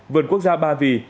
vườn quốc gia ba vì